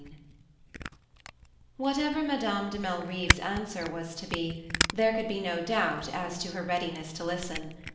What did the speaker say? II Whatever Madame de Malrive's answer was to be, there could be no doubt as to her readiness to listen.